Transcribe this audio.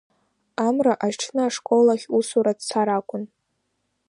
Амра аҽны ашкол ахь усура дцар акәын.